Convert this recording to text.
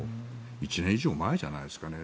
１年以上前じゃないですかね。